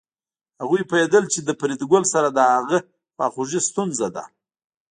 هغوی پوهېدل چې له فریدګل سره د هغه خواخوږي ستونزه ده